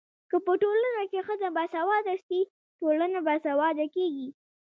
که په ټولنه کي ښځه باسواده سي ټولنه باسواده کيږي.